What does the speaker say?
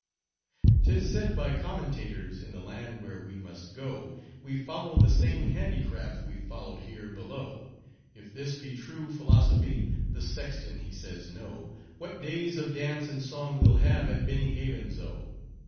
'Tis said by commentators, in the land where we must go We follow the same handicraft we followed here below; If this be true philosophy (the sexton, he says no), What days of dance and song we'll have at Benny Havens' O.